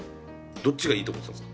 どっちがいいと思ってたんですか？